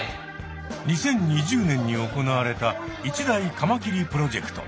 ２０２０年に行われた一大カマキリプロジェクト。